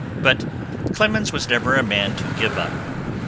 But Clemens was never a man to give up.